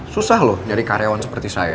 susah loh jadi karyawan seperti saya